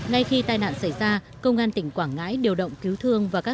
ngay khi tai nạn xảy ra công an tỉnh quảng ngãi điều động cứu thương và kết thúc